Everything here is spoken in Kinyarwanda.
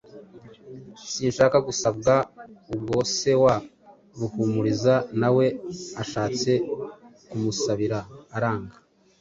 Sinshaka gusabwa. Ubwo se wa Ruhumuriza na we ashatse kumusabira aranga.